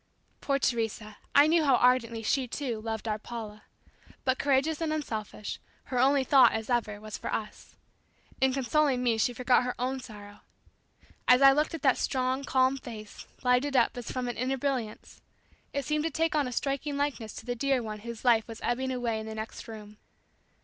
Poor Teresa, I knew how ardently she, too, loved our Paula, but courageous and unselfish her only thought, as ever, was for us. In consoling me she forgot her own sorrow. As I looked at that strong calm face lighted up as from an inner brilliance, it seemed to take on a striking likeness to the dear one whose life was ebbing away in the next room.